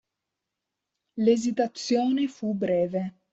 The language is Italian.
L'esitazione fu breve.